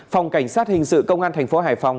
phòng cảnh sát hình sự công an tp hải phòng